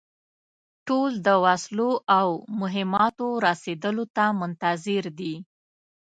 ټول د وسلو او مهماتو رسېدلو ته منتظر دي.